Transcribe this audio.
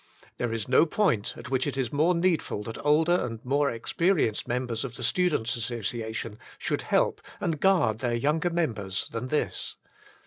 There is no point at which it is more needful that older and more experienced members of the Students' As sociation should help and guard their younger members than this.